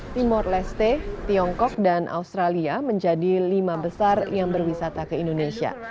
timur leste tiongkok dan australia menjadi lima besar yang berwisata ke indonesia